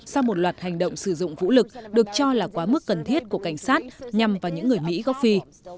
sau một loạt hành động sử dụng vũ lực được cho là quá mức cần thiết của cảnh sát nhằm vào những người mỹ gốc phi